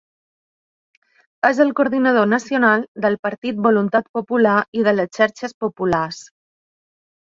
És el coordinador nacional del partit Voluntat Popular i de les Xarxes Populars.